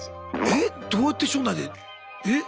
えっ⁉どうやって所内でえ？